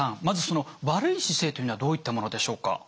まずその悪い姿勢というのはどういったものでしょうか？